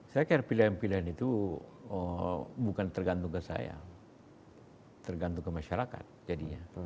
saya kira pilihan pilihan itu bukan tergantung ke saya tergantung ke masyarakat jadinya